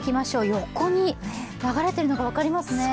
横に流れているのが分かりますね。